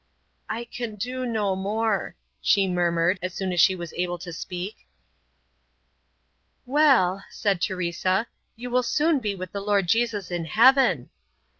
"I can do no more," she murmured, as soon as she was able to speak. "Well," said Teresa, "you will soon be with the Lord Jesus in heaven."